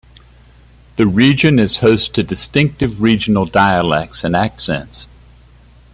The region is host to distinctive regional dialects and accents.